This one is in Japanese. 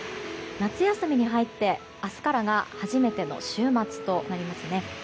夏休みに入って、明日からが初めての週末となりますね。